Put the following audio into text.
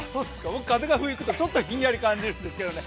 僕、風が吹くとちょっとひんやり感じるんですけどね。